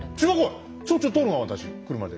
しょっちゃう通るな私車で。